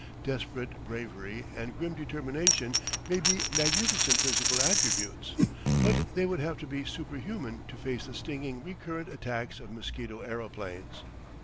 Desperate bravery and grim determination may be magnificent physical attributes, ut they would have to be superhuman to face the stinging recurrent attacks of mosquito aeroplanes.